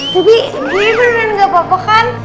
tapi geri beneran nggak apa apa kan